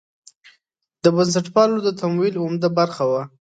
د بنسټپالو د تمویل عمده برخه وه.